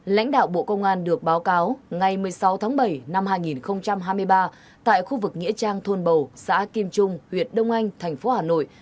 lãnh đạo bộ công an được báo cáo ngày một mươi sáu tháng bảy năm hai nghìn hai mươi ba tại khu vực nghĩa trang thôn bầu xã kim trung huyện đông anh thành phố hà nội